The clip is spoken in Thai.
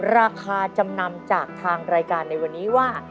ราคาจำนำจากทางรายการในวันนี้ว่า